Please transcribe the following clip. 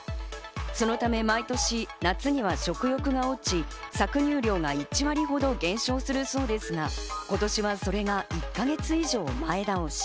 そのため、毎年、夏には食欲が落ち、搾乳量が１割ほど減少するそうですが、今年はそれが１か月以上、前倒し。